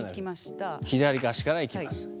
左足から行きます。